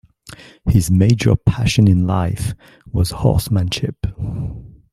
His major passion in life was horsemanship.